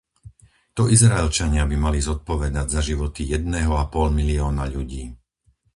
To Izraelčania by mali zodpovedať za životy jedného a pol milióna ľudí.